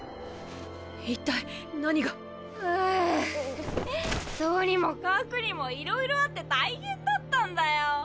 いったい何が？はあとにもかくにもいろいろあって大変だったんだよ。